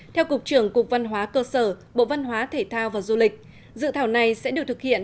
theo cục trưởng cục văn hóa cơ sở bộ văn hóa thể thao và du lịch dự thảo này sẽ được thực hiện